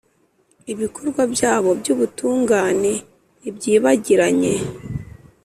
ibikorwa byabo by’ubutungane ntibyibagiranye.